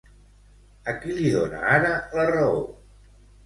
A qui li dona ara la raó?